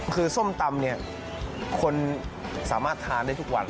คือส้มตำเนี่ยคนสามารถทานได้ทุกวัน